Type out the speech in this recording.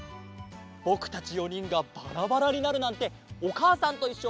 ぼくたち４にんがバラバラになるなんて「おかあさんといっしょ」